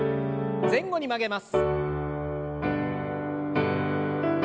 前後に曲げます。